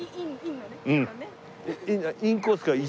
インコースから。